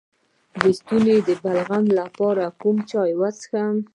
د ستوني د بلغم لپاره کوم چای وڅښم؟